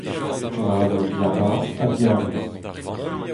Stummadur diabarzh ha diavaez.